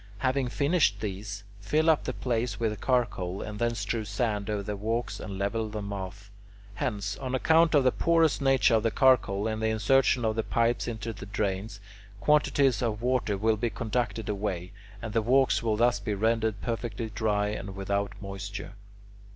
Having finished these, fill up the place with charcoal, and then strew sand over the walks and level them off. Hence, on account of the porous nature of the charcoal and the insertion of the pipes into the drains, quantities of water will be conducted away, and the walks will thus be rendered perfectly dry and without moisture.